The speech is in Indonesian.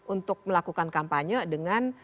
untuk melakukan kampanye dengan